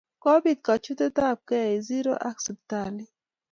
kobit kachutet ab kei eng zero ak hosiptalit